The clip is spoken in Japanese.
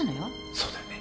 そうだね。